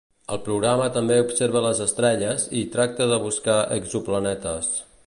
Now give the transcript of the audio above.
El programa també observa les estrelles i tractar de buscar exoplanetes.